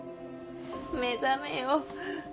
目覚めよ。